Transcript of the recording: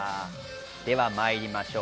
ではまいりましょう！